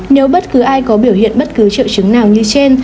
nếu bất cứ ai có biểu hiện bất cứ triệu chứng nào như trên